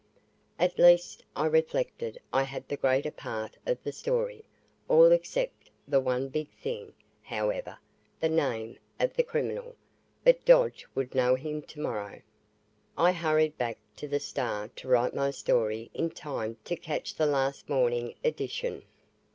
At least, I reflected, I had the greater part of the story all except the one big thing, however, the name of the criminal. But Dodge would know him tomorrow! I hurried back to the Star to write my story in time to catch the last morning edition.